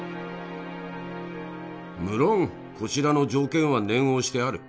無論こちらの条件は念を押してある。